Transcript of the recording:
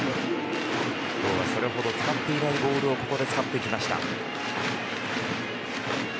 今日はそれほど使っていないボールをここで使ってきました。